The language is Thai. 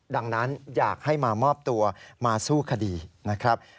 ดังนั้นอยากให้มามอบตัวมาสู้คดีนะครับ